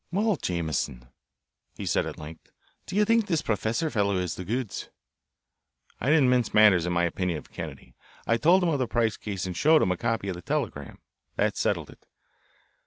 "Well, Jameson," he said at length, "do you think this professor fellow is the goods?" I didn't mince matters in my opinion of Kennedy. I told him of the Price case and showed him a copy of the telegram. That settled it.